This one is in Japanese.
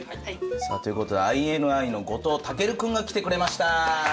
さあという事でＩＮＩの後藤威尊君が来てくれました。